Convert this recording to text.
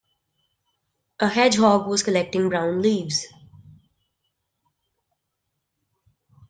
A hedgehog was collecting brown leaves.